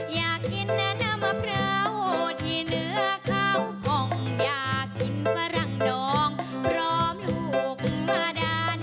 อยากกินนะน้ำมะพร้าวที่เหนือข้าวคงอยากกินฝรั่งดองพร้อมลูกมาดาน